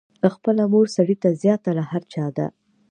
خپله مور سړي ته زیاته له هر چا ده.